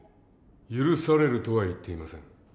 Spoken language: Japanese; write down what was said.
許されるとは言っていません。